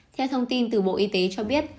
theo thông tin từ bộ y tế cho biết